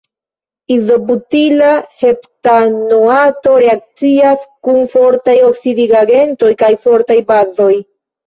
Izobutila heptanoato reakcias kun fortaj oksidigagentoj kaj fortaj bazoj.